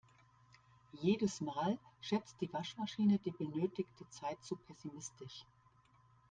Jedes Mal schätzt die Waschmaschine die benötigte Zeit zu pessimistisch.